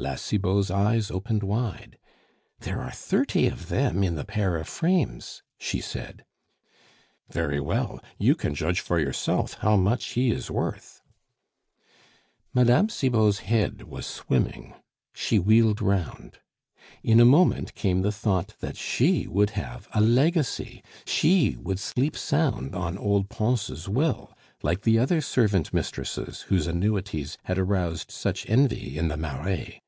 La Cibot's eyes opened wide. "There are thirty of them in the pair of frames!" she said. "Very well, you can judge for yourself how much he is worth." Mme. Cibot's head was swimming; she wheeled round. In a moment came the thought that she would have a legacy, she would sleep sound on old Pons' will, like the other servant mistresses whose annuities had aroused such envy in the Marais.